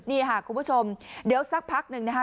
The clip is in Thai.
นี่ค่ะคุณผู้ชมเดี๋ยวสักพักหนึ่งนะคะ